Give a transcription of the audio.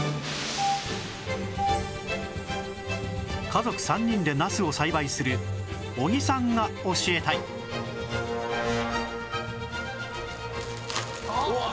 家族３人でナスを栽培する尾木さんが教えたいあっ！